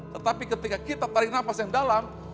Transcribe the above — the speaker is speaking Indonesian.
tetapi ketika kita tarik nafas yang dalam